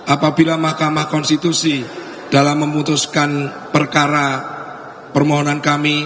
apabila mahkamah konstitusi dalam memutuskan perkara permohonan kami